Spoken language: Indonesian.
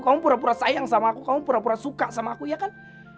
kamu pura pura sayang sama aku kamu pura pura suka sama aku ya kan